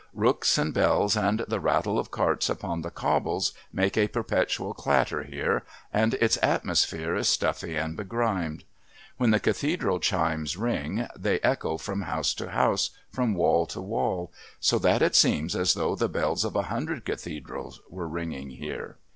Rooks and bells and the rattle of carts upon the cobbles make a perpetual clatter here, and its atmosphere is stuffy and begrimed. When the Cathedral chimes ring they echo from house to house, from wall to wall, so that it seems as though the bells of a hundred Cathedrals were ringing here.